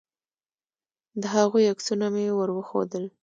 د هغوی عکسونه مې ور وښودل.